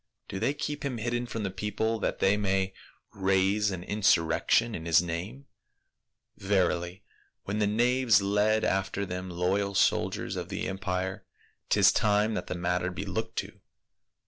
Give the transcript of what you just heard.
" Do they keep him hidden from the people that they may raise an insur rection in his name ? Verily when the knaves lead after them loyal soldiers of the empire, 'tis time that the matter be looked to.